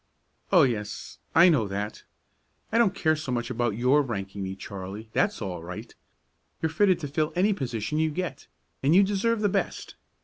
"Oh, yes, I know that. I don't care so much about your ranking me, Charley; that's all right. You're fitted to fill any position you get, and you deserve the best.